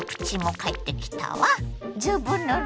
ずぶぬれね。